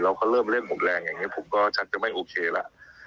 เขาก็เริ่มเล่นหมดแรงอย่างนี้ผมก็ชักจะไม่โอเคแล้ว